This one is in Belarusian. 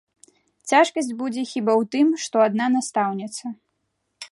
Цяжкасць будзе хіба ў тым, што адна настаўніца.